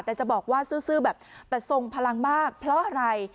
แต่จะบอกว่าซื้อแบบแต่ทรงพลังมากเพราะอะไร